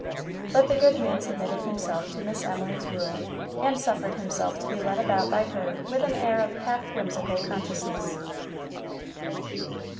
But the good man submitted himself to Miss Emily's rule, and suffered himself to be led about by her with an air of half whimsical consciousness.